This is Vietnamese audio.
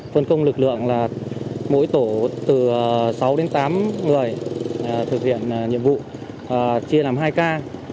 phân công lực lượng là mỗi tổ từ sáu đến tám người thực hiện nhiệm vụ chia làm hai ca